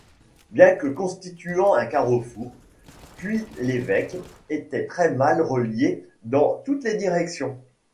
Bien que constituant un carrefour, Puy-l'Évêque était très mal relié dans toutes les directions.